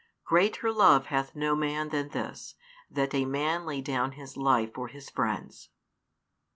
Greater love hath no man than this, that a man lay down his life for his friends.